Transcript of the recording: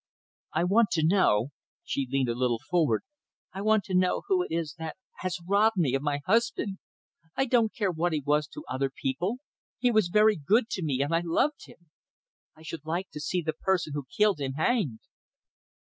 I want to know," she leaned a little forward, "I want to know who it is that has robbed me of my husband. I don't care what he was to other people! He was very good to me, and I loved him. I should like to see the person who killed him hanged!"